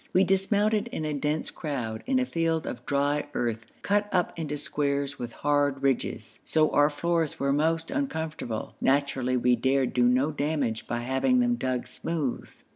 We dismounted in a dense crowd, in a field of dry earth cut up into squares with hard ridges, so our floors were most uncomfortable. Naturally we dared do no damage by having them dug smooth.